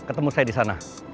ketemu saya di sana